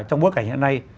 trong bối cảnh hiện nay